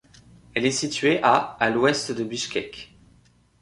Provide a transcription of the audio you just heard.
Elle est située à à l'ouest de Bichkek.